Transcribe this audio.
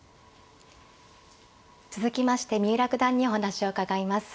続きまして三浦九段にお話を伺います。